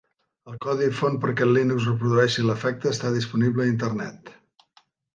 El codi font perquè el Linux reprodueixi l'efecte està disponible a Internet.